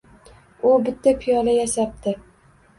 U bitta piyola yasabdi